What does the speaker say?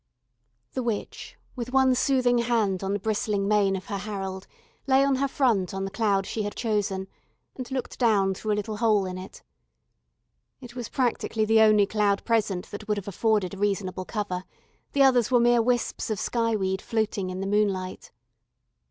The witch, with one soothing hand on the bristling mane of her Harold, lay on her front on the cloud she had chosen, and looked down through a little hole in it. It was practically the only cloud present that would have afforded reasonable cover; the others were mere wisps of sky weed floating in the moonlight.